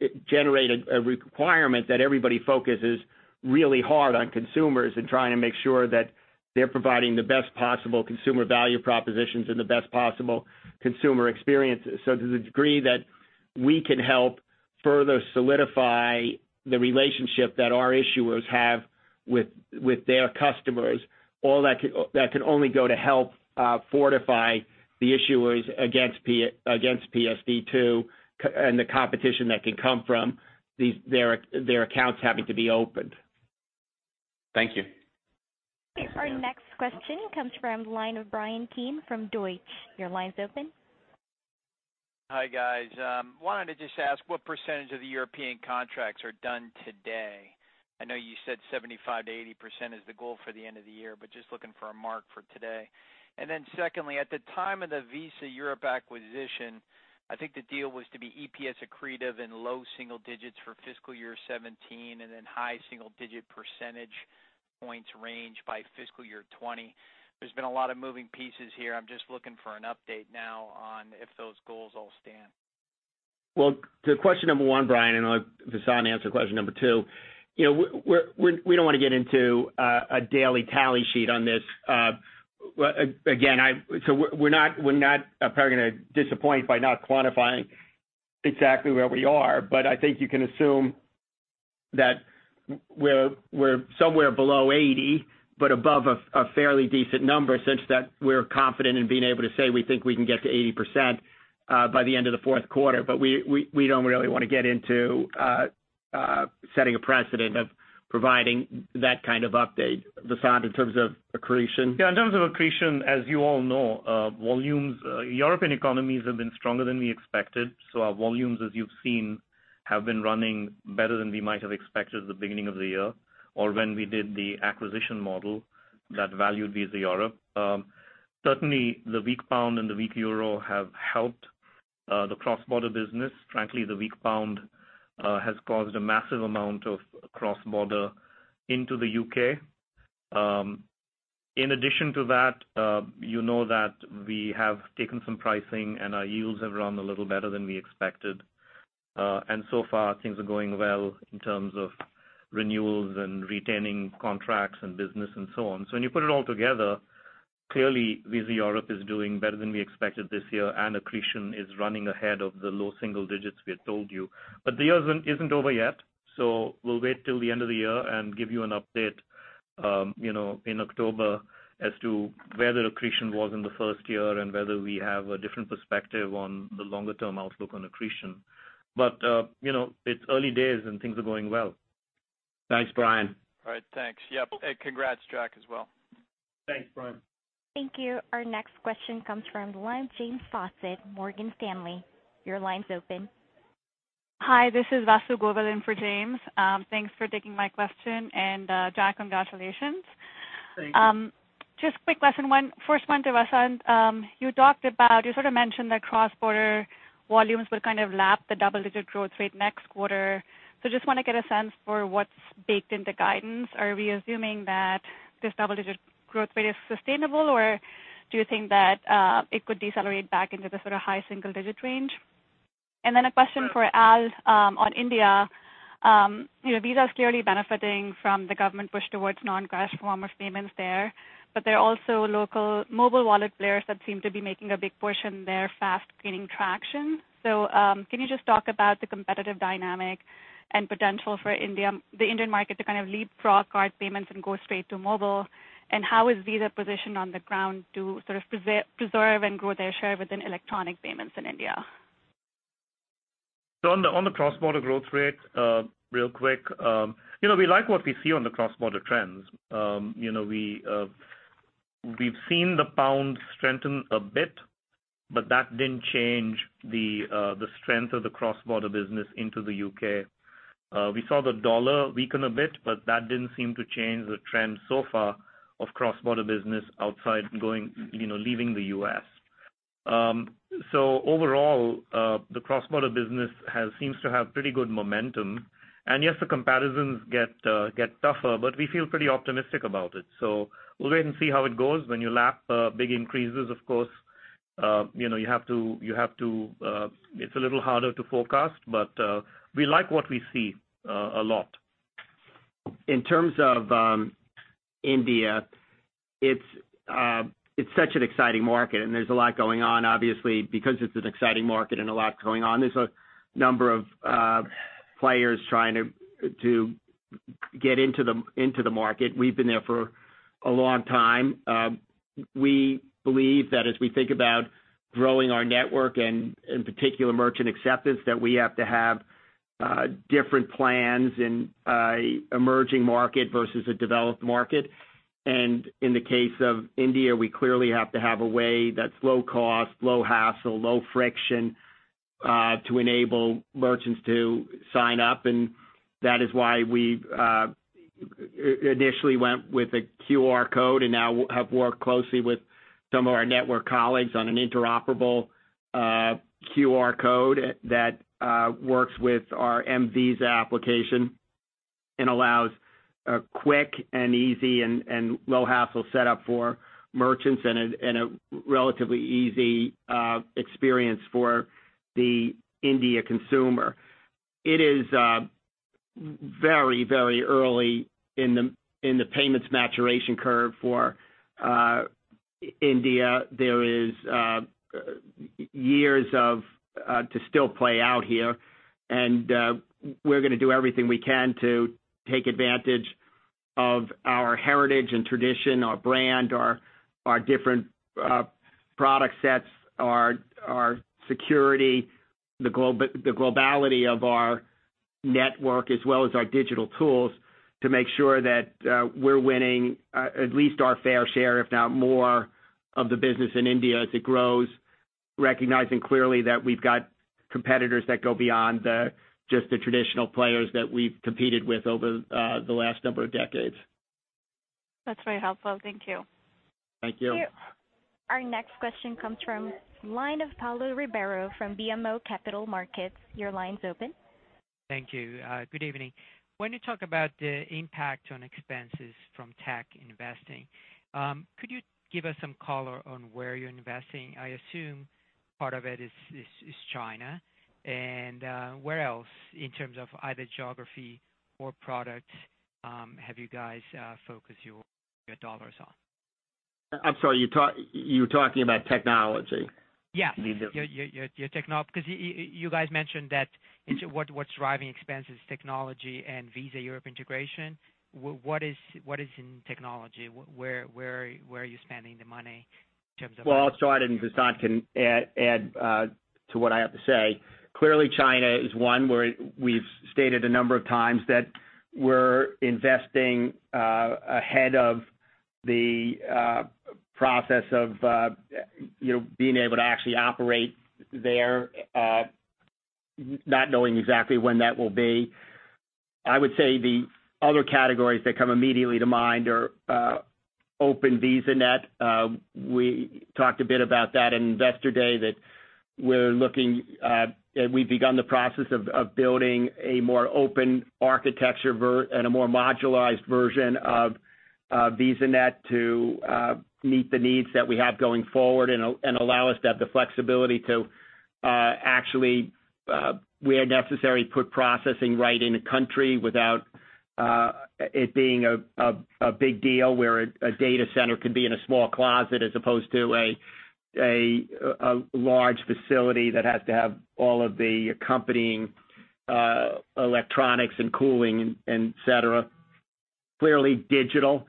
to generate a requirement that everybody focuses really hard on consumers and trying to make sure that they're providing the best possible consumer value propositions and the best possible consumer experiences. To the degree that we can help further solidify the relationship that our issuers have with their customers, all that could only go to help fortify the issuers against PSD2 and the competition that can come from their accounts having to be opened. Thank you. Okay. Our next question comes from the line of Bryan Keane from Deutsche. Your line's open. Hi, guys. Wanted to just ask what percentage of the European contracts are done today. I know you said 75%-80% is the goal for the end of the year, but just looking for a mark for today. Secondly, at the time of the Visa Europe acquisition, I think the deal was to be EPS accretive in low single digits for fiscal year 2017, and then high single-digit percentage points range by fiscal year 2020. There's been a lot of moving pieces here. I'm just looking for an update now on if those goals all stand. Well, to question number one, Bryan, Vasant will answer question number two. We don't want to get into a daily tally sheet on this. Again, we're not probably going to disappoint by not quantifying exactly where we are. I think you can assume that we're somewhere below 80, but above a fairly decent number such that we're confident in being able to say we think we can get to 80% by the end of the fourth quarter. We don't really want to get into setting a precedent of providing that kind of update. Vasant, in terms of accretion? Yeah. In terms of accretion, as you all know, European economies have been stronger than we expected. Our volumes, as you've seen, have been running better than we might have expected at the beginning of the year or when we did the acquisition model that valued Visa Europe. Certainly, the weak pound and the weak euro have helped the cross-border business. Frankly, the weak pound has caused a massive amount of cross-border into the U.K. In addition to that, you know that we have taken some pricing and our yields have run a little better than we expected. So far, things are going well in terms of renewals and retaining contracts and business and so on. When you put it all together, clearly Visa Europe is doing better than we expected this year, and accretion is running ahead of the low single digits we had told you. The year isn't over yet, so we'll wait till the end of the year and give you an update in October as to where the accretion was in the first year and whether we have a different perspective on the longer-term outlook on accretion. It's early days, and things are going well. Thanks, Bryan. All right. Thanks. Yep. Congrats, Jack, as well. Thanks, Bryan. Thank you. Our next question comes from the line of James Faucette, Morgan Stanley. Your line's open. Hi, this is Vasundhara Govindarajan for James. Thanks for taking my question. Jack, congratulations. Thanks. Just quick question. First one to Vasant. You sort of mentioned that cross-border volumes will kind of lap the double-digit growth rate next quarter. Just want to get a sense for what's baked into guidance. Are we assuming that this double-digit growth rate is sustainable, or do you think that it could decelerate back into the sort of high single-digit range? A question for Al on India. Visa is clearly benefiting from the government push towards non-cash form of payments there are also local mobile wallet players that seem to be making a big push and they're fast gaining traction. Can you just talk about the competitive dynamic and potential for the Indian market to kind of leapfrog card payments and go straight to mobile? How is Visa positioned on the ground to sort of preserve and grow their share within electronic payments in India? On the cross-border growth rate, real quick. We like what we see on the cross-border trends. We've seen the pound strengthen a bit, but that didn't change the strength of the cross-border business into the U.K. We saw the dollar weaken a bit, but that didn't seem to change the trend so far of cross-border business outside leaving the U.S. Overall, the cross-border business seems to have pretty good momentum, and yes, the comparisons get tougher, but we feel pretty optimistic about it. We'll wait and see how it goes. When you lap big increases, of course, it's a little harder to forecast, but we like what we see a lot. In terms of India, it's such an exciting market, and there's a lot going on, obviously. Because it's an exciting market and a lot going on, there's a number of players trying to get into the market. We've been there for a long time. We believe that as we think about growing our network, and in particular merchant acceptance, that we have to have different plans in an emerging market versus a developed market. In the case of India, we clearly have to have a way that's low cost, low hassle, low friction to enable merchants to sign up. That is why we initially went with a QR code and now have worked closely with some of our network colleagues on an interoperable QR code that works with our mVisa application and allows a quick and easy and low-hassle set up for merchants, and a relatively easy experience for the India consumer. It is very early in the payments maturation curve for India. There is years to still play out here, and we're going to do everything we can to take advantage of our heritage and tradition, our brand, our different product sets, our security, the globality of our network, as well as our digital tools to make sure that we're winning at least our fair share, if not more, of the business in India as it grows. Recognizing clearly that we've got competitors that go beyond just the traditional players that we've competed with over the last number of decades. That's very helpful. Thank you. Thank you. Our next question comes from line of Paulo Ribeiro from BMO Capital Markets. Your line's open. Thank you. Good evening. When you talk about the impact on expenses from tech investing, could you give us some color on where you're investing? I assume part of it is China. Where else, in terms of either geography or product, have you guys focused your dollars on? I'm sorry, you're talking about technology? Yes. You guys mentioned that what's driving expense is technology and Visa Europe integration. What is in technology? Where are you spending the money in terms of- Well, I'll start, and Vasant can add to what I have to say. Clearly, China is one where we've stated a number of times that we're investing ahead of the process of being able to actually operate there, not knowing exactly when that will be. I would say the other categories that come immediately to mind are open VisaNet. We talked a bit about that in Investor Day, that we've begun the process of building a more open architecture and a more modularized version of VisaNet to meet the needs that we have going forward and allow us to have the flexibility to actually, where necessary, put processing right in a country without it being a big deal, where a data center could be in a small closet as opposed to a large facility that has to have all of the accompanying electronics and cooling, et cetera. Clearly digital,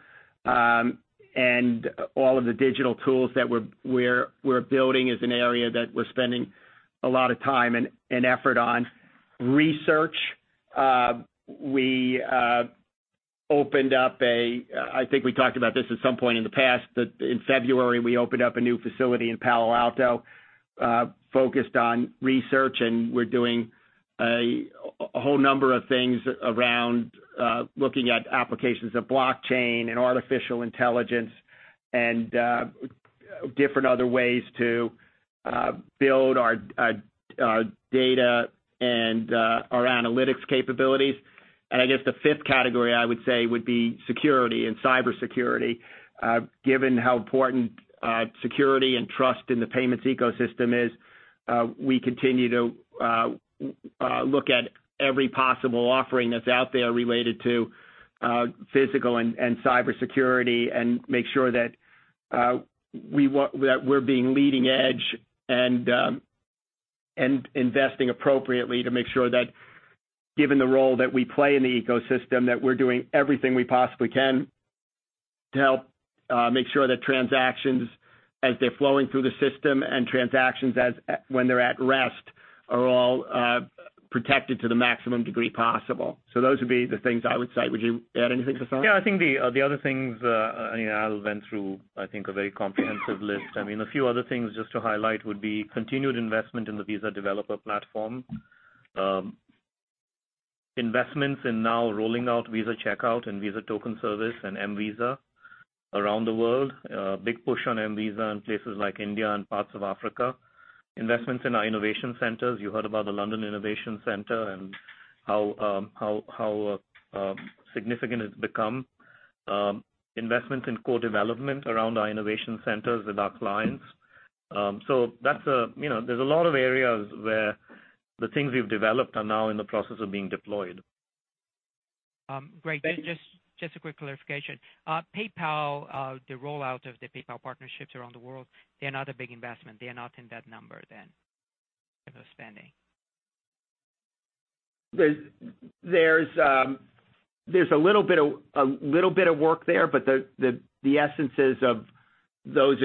and all of the digital tools that we're building is an area that we're spending a lot of time and effort on. Research. I think we talked about this at some point in the past, that in February, we opened up a new facility in Palo Alto focused on research, and we're doing a whole number of things around looking at applications of blockchain and artificial intelligence and different other ways to build our data and our analytics capabilities. I guess the 5th category, I would say, would be security and cybersecurity. Given how important security and trust in the payments ecosystem is, we continue to look at every possible offering that's out there related to physical and cybersecurity and make sure that we're being leading edge and investing appropriately to make sure that given the role that we play in the ecosystem, that we're doing everything we possibly can to help make sure that transactions, as they're flowing through the system, and transactions when they're at rest, are all protected to the maximum degree possible. Those would be the things I would cite. Would you add anything, Vasant? I think the other things, Al went through, I think, a very comprehensive list. A few other things just to highlight would be continued investment in the Visa Developer Platform. Investments in now rolling out Visa Checkout and Visa Token Service and mVisa around the world. A big push on mVisa in places like India and parts of Africa. Investments in our innovation centers. You heard about the London Innovation Center and how significant it's become. Investments in co-development around our innovation centers with our clients. There's a lot of areas where the things we've developed are now in the process of being deployed. Great. Just a quick clarification. PayPal, the rollout of the PayPal partnerships around the world, they're not a big investment. They are not in that number then, of the spending. There's a little bit of work there, but the essences of those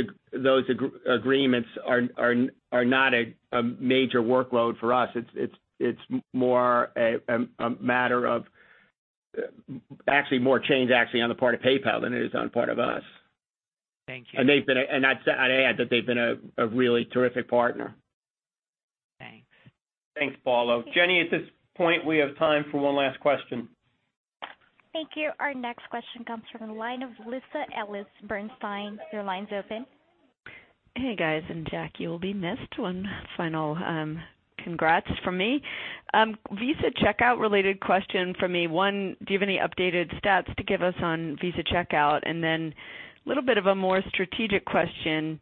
agreements are not a major workload for us. It's more a matter of actually more change on the part of PayPal than it is on part of us. Thank you. I'd add that they've been a really terrific partner. Okay. Thanks, Paulo. Jenny, at this point, we have time for one last question. Thank you. Our next question comes from the line of Lisa Ellis, Bernstein. Your line's open. Hey, guys. Jack, you'll be missed. One final congrats from me. Visa Checkout related question from me. One, do you have any updated stats to give us on Visa Checkout? Then a little bit of a more strategic question.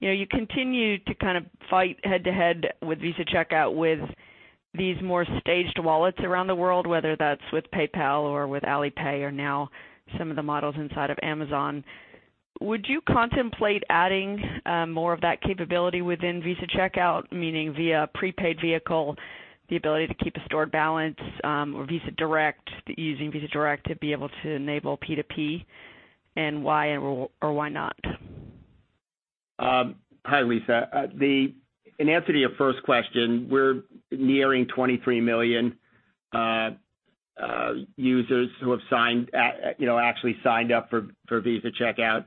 You continue to kind of fight head to head with Visa Checkout with these more staged wallets around the world, whether that's with PayPal or with Alipay or now some of the models inside of Amazon. Would you contemplate adding more of that capability within Visa Checkout, meaning via prepaid vehicle, the ability to keep a stored balance, or using Visa Direct to be able to enable P2P, and why or why not? Hi, Lisa. In answer to your first question, we're nearing 23 million users who have actually signed up for Visa Checkout.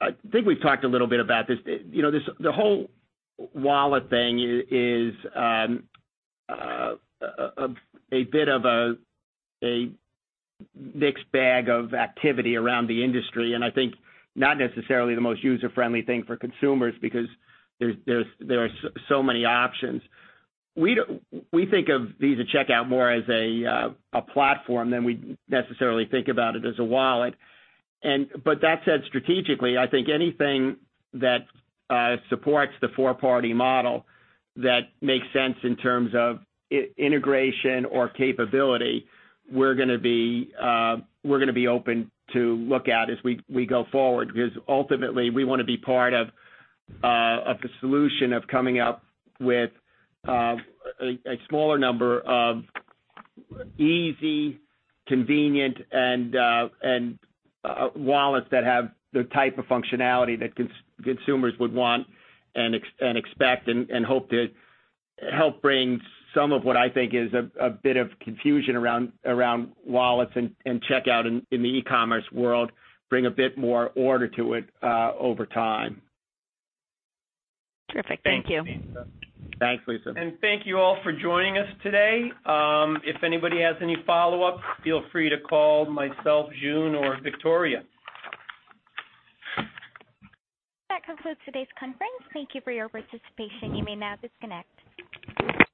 I think we've talked a little bit about this. The whole wallet thing is a bit of a mixed bag of activity around the industry, I think not necessarily the most user-friendly thing for consumers because there are so many options. We think of Visa Checkout more as a platform than we necessarily think about it as a wallet. That said, strategically, I think anything that supports the four-party model that makes sense in terms of integration or capability, we're going to be open to look at as we go forward because ultimately we want to be part of the solution of coming up with a smaller number of easy, convenient wallets that have the type of functionality that consumers would want and expect, hope to help bring some of what I think is a bit of confusion around wallets and checkout in the e-commerce world, bring a bit more order to it over time. Terrific. Thank you. Thanks, Lisa. Thank you all for joining us today. If anybody has any follow-ups, feel free to call myself, June, or Victoria. That concludes today's conference. Thank you for your participation. You may now disconnect.